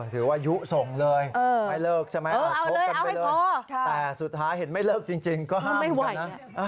ศึกขึ้นมาเลยครับผม